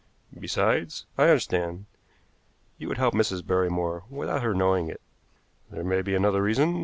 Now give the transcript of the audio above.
Besides " "I understand. You would help Mrs. Barrymore without her knowing it." "There may be another reason.